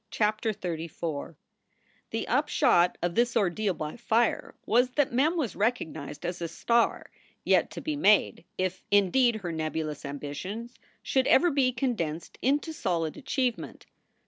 CHAPTER XXXIV HTHE upshot of this ordeal by fire was that Mem was 1 recognized as a star yet to be made if, indeed, her nebulous ambitions should ever be condensed into solid achievement.